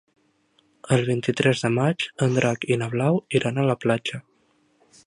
El vint-i-tres de maig en Drac i na Blau iran a la platja.